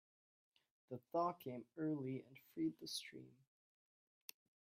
The thaw came early and freed the stream.